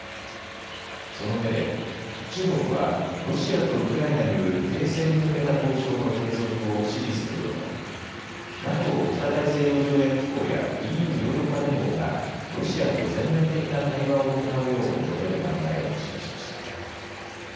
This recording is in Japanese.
そのうえで中国はロシアとウクライナによる停戦に向けた交渉の継続を支持するとともにＮＡＴＯ・北大西洋条約機構やＥＵ・ヨーロッパ連合がロシアと全面的な対話を行うよう求める考えを示しました。